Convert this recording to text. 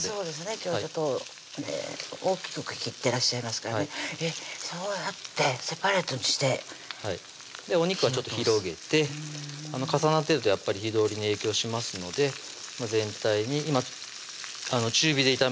今日ちょっと大きく切ってらっしゃいますからえっそうやってセパレートにしてお肉はちょっと広げて重なってるとやっぱり火通りに影響しますので全体に今中火で炒めてます